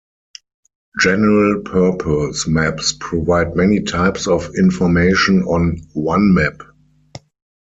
General-purpose maps provide many types of information on one map.